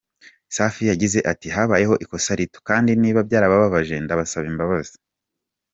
Safi yagize ati “Habayeho ikosa rito kandi niba byaranababaje ndabasaba imbabazi.